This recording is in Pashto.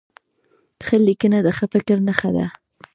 ښه لیکنه د ښه فکر نښه ده.